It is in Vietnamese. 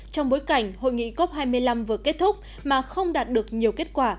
trong bối cảnh hội nghị cop hai mươi năm vừa kết thúc mà không đạt được nhiều kết quả